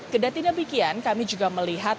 kedatina pikian kami juga melihat